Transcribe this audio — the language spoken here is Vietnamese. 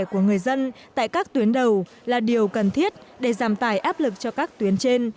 của người dân tại các tuyến đầu là điều cần thiết để giảm tải áp lực cho các tuyến trên